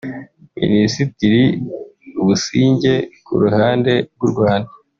Minisitiri Busingye ku ruhande rw’u Rwanda